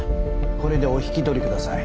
これでお引き取りください。